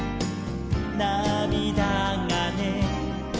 「なみだがね」